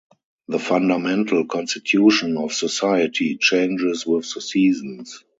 The fundamental constitution of society changes with the seasons.